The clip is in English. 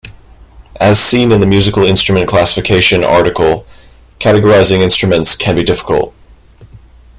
As seen in the musical instrument classification article, categorizing instruments can be difficult.